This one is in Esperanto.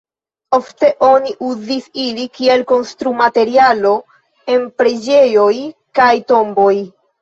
Ofte oni uzis ili kiel konstrumaterialo en preĝejoj kaj tomboj.